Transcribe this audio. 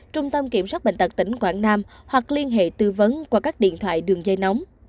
trung tâm kiểm soát bệnh tật tỉnh quảng nam hoặc liên hệ tư vấn qua các điện thoại đường dây nóng